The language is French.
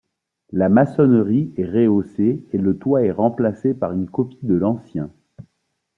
La maçonnerie est rehaussée et le toit est remplacé par une copie de l'ancien.